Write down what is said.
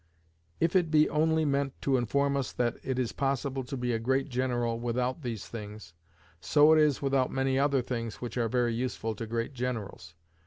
If it be only meant to inform us that it is possible to be a great general without these things, so it is without many other things which are very useful to great generals.